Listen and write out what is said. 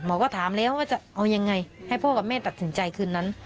ก็ถามแล้วว่าจะเอายังไงให้พ่อกับแม่ตัดสินใจคืนนั้น